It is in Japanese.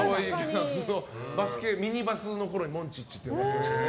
ミニバスのころにモンチッチって呼ばれてましたね。